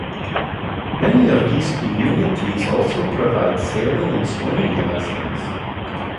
Many of these communities also provide sailing and swimming lessons.